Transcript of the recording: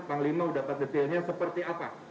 panglima dapat detailnya seperti apa